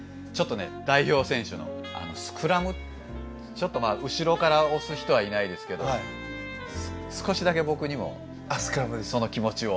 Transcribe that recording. ちょっとまあ後ろから押す人はいないですけど少しだけ僕にもその気持ちを。